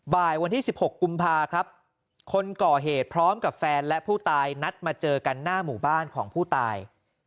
วันที่๑๖กุมภาครับคนก่อเหตุพร้อมกับแฟนและผู้ตายนัดมาเจอกันหน้าหมู่บ้านของผู้ตาย